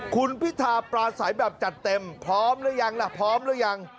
คุณพิธาปลาใสแบบจัดเต็มพร้อมรึอยัง